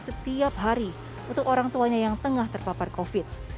setiap hari untuk orang tuanya yang tengah terpapar covid